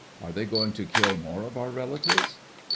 Are they going to kill more of our relatives?'